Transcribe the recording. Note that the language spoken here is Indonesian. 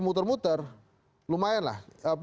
muter muter lumayan lah